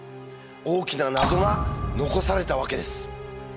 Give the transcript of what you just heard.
大きな謎が残されたわけです。